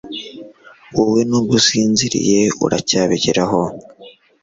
Wowe nubwo usinziriye uracyabigeraho